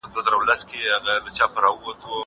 زه به سبا د کتابتون د کار مرسته کوم!